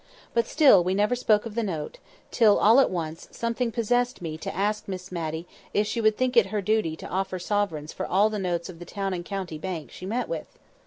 But still we never spoke of the note; till, all at once, something possessed me to ask Miss Matty if she would think it her duty to offer sovereigns for all the notes of the Town and County Bank she met with?